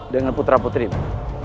dengan putra putrimu